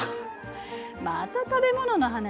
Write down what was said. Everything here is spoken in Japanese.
また食べ物の話？